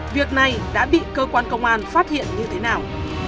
việc này đã bị cơ quan công an phát hiện như thế nào